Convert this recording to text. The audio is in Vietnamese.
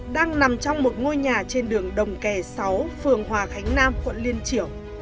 đang nằm trong một ngôi nhà trên đường đồng kè sáu phường hòa khánh nam quận liên triểu